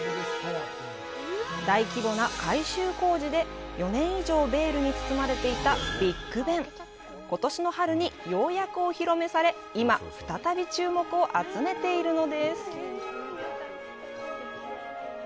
大規模な改修工事で、４年以上ベールに包まれていた「ビッグベン」ことしの春にようやくお披露目され今、再び注目を集めているのです。